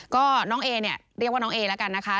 ก็น้องเอเนี่ยเรียกว่าน้องเอแล้วกันนะคะ